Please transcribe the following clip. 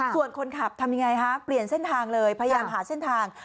ส่วนคนขับทำยังไงฮะเปลี่ยนเส้นทางเลยพยายามหาเส้นทาง